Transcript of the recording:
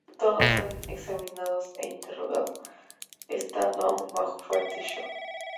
Todos son examinados e interrogados estando aún bajo un fuerte shock.